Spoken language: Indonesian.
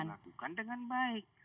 dan dilakukan dengan baik